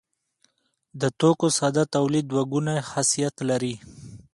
د توکو ساده تولید دوه ګونی خاصیت لري.